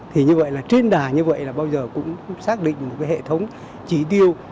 thì như vậy là trên đà như vậy là bao giờ cũng xác định một cái hệ thống chỉ tiêu